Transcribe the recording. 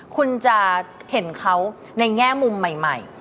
คุณจะเห็นเขาในแง่มุมใหม่